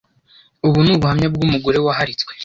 Ubu ni ubuhamya bw’umugore waharitswe